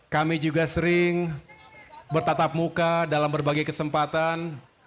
kami juga sering bertatap muka dalam berbagai kesempatan